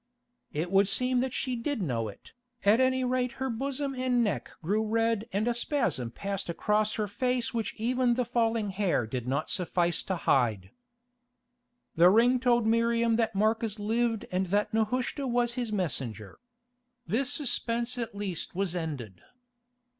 It would seem that she did know it, at any rate her bosom and neck grew red and a spasm passed across her face which even the falling hair did not suffice to hide. The ring told Miriam that Marcus lived and that Nehushta was his messenger. This suspense at least was ended.